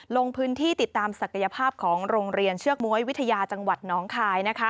ลงพื้นที่ติดตามศักยภาพของโรงเรียนเชือกม้วยวิทยาจังหวัดน้องคาย